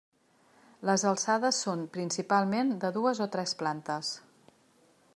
Les alçades són principalment de dues o tres plantes.